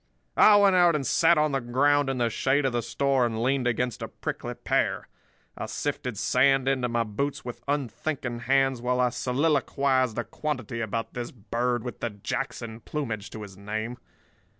"I went out and sat on the ground in the shade of the store and leaned against a prickly pear. I sifted sand into my boots with unthinking hands while I soliloquised a quantity about this bird with the Jackson plumage to his name.